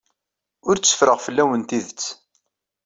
Ur tteffreɣ fell-awen tidet.